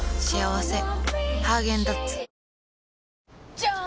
じゃーん！